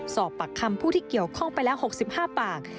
สอบปากคำผู้ที่เกี่ยวข้องไปแล้ว๖๕ปาก